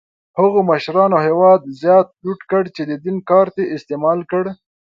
هغو مشرانو هېواد زیات لوټ کړ چې د دین کارت یې استعمال کړ.